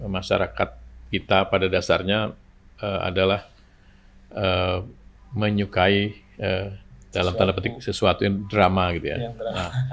masyarakat kita pada dasarnya adalah menyukai dalam tanda petik sesuatu yang drama gitu ya